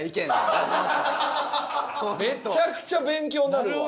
めちゃくちゃ勉強になるわ。